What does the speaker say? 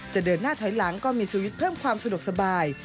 เดินหน้าถอยหลังก็มีสวิตช์เพิ่มความสะดวกสบาย